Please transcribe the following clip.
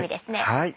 はい。